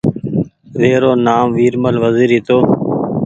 وي رو نآم ورمل وزير هيتو